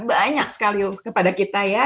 banyak sekali kepada kita ya